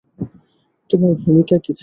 তোমার ভূমিকা কী ছিল?